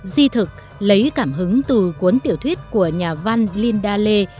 di thực lấy cảm hứng từ cuốn tiểu thuyết của nhà văn linda lê